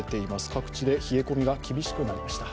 各地で冷え込みが厳しくなりました。